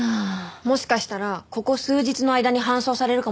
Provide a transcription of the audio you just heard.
もしかしたらここ数日の間に搬送されるかもしれませんね。